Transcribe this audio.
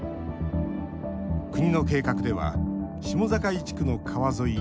国の計画では下境地区の川沿い